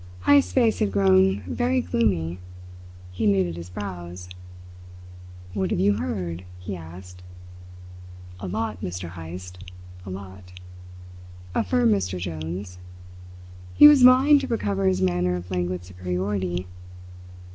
Heyst's face had grown very gloomy. He knitted his brows. "What have you heard?" he asked. "A lot, Mr. Heyst a lot," affirmed Mr. Jones. He was vying to recover his manner of languid superiority.